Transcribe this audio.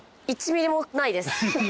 １ミリもないです。